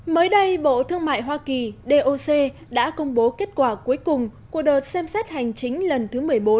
mới đây bộ thương mại hoa kỳ doc đã công bố kết quả cuối cùng của đợt xem xét hành chính lần thứ một mươi bốn